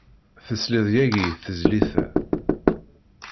Tesliḍ yagi i tezlit-a.